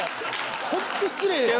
ホント失礼でしょ。